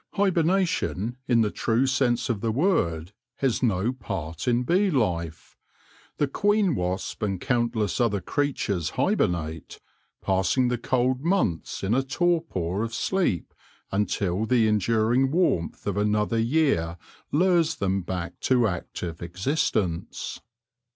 Hibernation, in the true sense of the word, has no part in bee life. The queen wasp and countless other creatures hibernate, passing the cold months in a 60 THE LORE OF THE HONEY BEE torpor of sleep until the enduring warmth of another year lures them back to active existence.